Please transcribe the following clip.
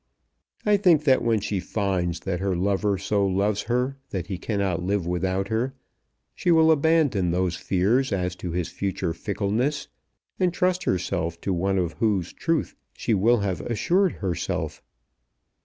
I think that when she finds that her lover so loves her that he cannot live without her, she will abandon those fears as to his future fickleness, and trust herself to one of whose truth she will have assured herself."